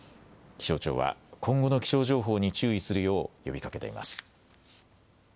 気象庁は今後の気象情報に注意するよう呼びかけています。